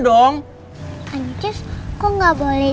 dong anjiz kok enggak boleh